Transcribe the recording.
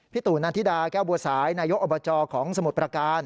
ตู่นันธิดาแก้วบัวสายนายกอบจของสมุทรประการ